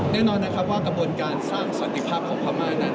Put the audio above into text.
แน่นอนนะครับว่ากระบวนการสร้างสันติภาพของพม่านั้น